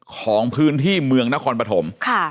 ของพื้นที่เมืองนครปฐม